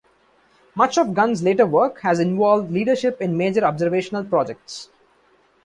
Much of Gunn's later work has involved leadership in major observational projects.